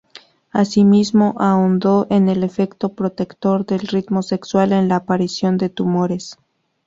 Asimismo, ahondó en el efecto protector del ritmo sexual en la aparición de tumores.